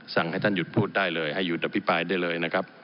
สั่งให้ท่านหยุดพูดได้เลยให้หยุดอภิปรายได้เลยนะครับ